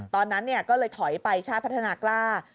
ตอนนั้นก็เลยถอยไปชาติพัฒนากล้า